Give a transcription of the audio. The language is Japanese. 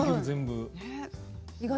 全部。